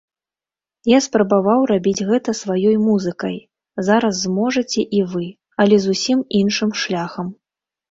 Я спрабаваў рабіць гэта сваёй музыкай, зараз зможаце і вы, але зусім іншым шляхам.